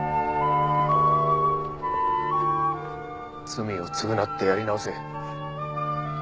罪を償ってやり直せ。